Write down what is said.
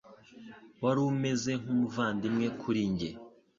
Wari umeze nkumuvandimwe kuri njye.